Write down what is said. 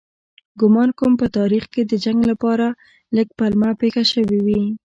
ګومان کوم په تاریخ کې د جنګ لپاره لږ پلمه پېښه شوې وي.